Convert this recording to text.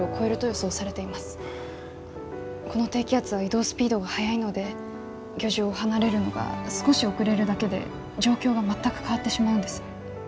この低気圧は移動スピードが速いので漁場を離れるのが少し遅れるだけで状況が全く変わってしまうんです。